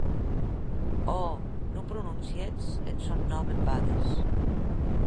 Ò!, non prononciètz eth sòn nòm en bades!